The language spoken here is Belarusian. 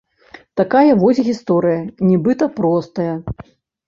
Такая вось гісторыя, нібыта простая.